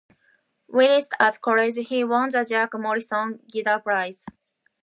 Whilst at college, he won the Jack Morrison guitar prize.